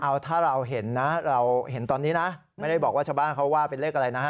เอาถ้าเราเห็นนะเราเห็นตอนนี้นะไม่ได้บอกว่าชาวบ้านเขาว่าเป็นเลขอะไรนะฮะ